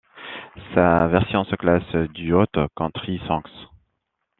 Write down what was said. Sa version se classe du Hot Country Songs.